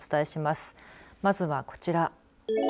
まずは、こちら。